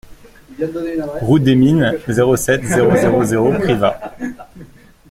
Route des Mines, zéro sept, zéro zéro zéro Privas